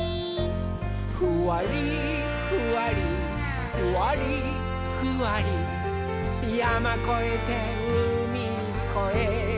「ふわりふわりふわりふわりやまこえてうみこえて」